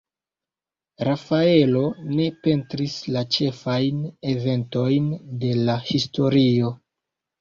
Rafaelo ne pentris la ĉefajn eventojn de la historio.